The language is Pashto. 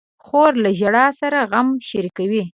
خور له ژړا سره غم شریکوي.